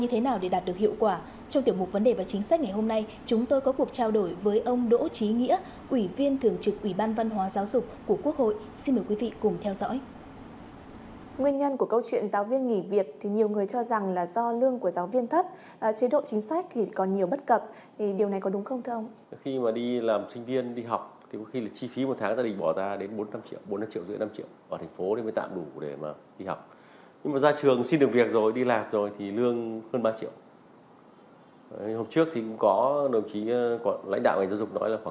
hôm trước thì cũng có đồng chí lãnh đạo ngành giáo dục nói là khoảng sáu triệu